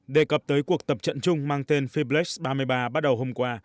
đề cập tới cuộc tập trận chung mang tên fiblex ba mươi ba bắt đầu hôm qua